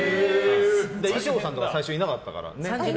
衣装さんとか最初いなかったから。